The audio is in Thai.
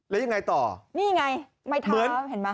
แล้วยังไงต่อนี่ไงไม้เท้าเห็นไหม